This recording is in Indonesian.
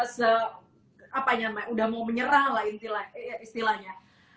seapanya namanya udah mau menyerah lah istilahnya